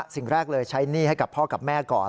สิ่งแรกเลยใช้หนี้ให้กับพ่อกับแม่ก่อน